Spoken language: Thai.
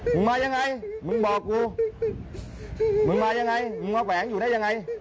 มึงมายังไงมึงบอกกูมึงมายังไงมึงมาแขวงอยู่ได้ยังไง